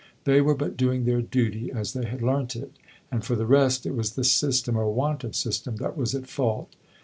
They were but doing their duty, as they had learnt it; and for the rest, it was the system, or want of system, that was at fault.